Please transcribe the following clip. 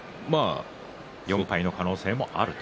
４敗の可能性もあると。